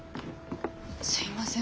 すいません。